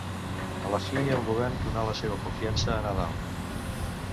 A la fi, el govern donà la seva confiança a Nadal.